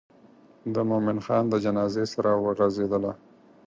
د مومن خان د جنازې سره وغزېدله.